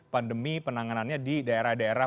pandemi penanganannya di daerah daerah